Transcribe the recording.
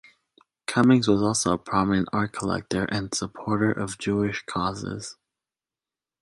Cummings was also a prominent art collector and supporter of Jewish causes.